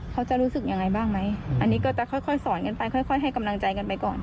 เขาจะรู้สึกยังไงบ้างไหมอันนี้ก็จะค่อยสอนกันไปค่อยให้กำลังใจกันไปก่อน